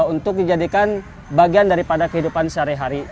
untuk dijadikan bagian daripada kehidupan sehari hari